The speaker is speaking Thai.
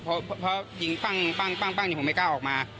พอจิงปั้งผมไม่กล้าออกมา